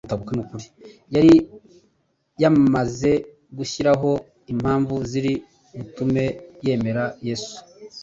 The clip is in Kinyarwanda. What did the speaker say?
yari yamaze gushyiraho impamvu ziri butume yemera Yesu